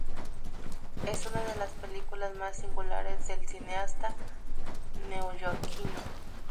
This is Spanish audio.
Es una de las películas más singulares del cineasta neoyorquino.